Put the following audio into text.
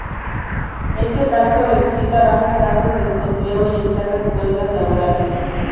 Este pacto explica bajas tasas de desempleo y escasas huelgas laborales.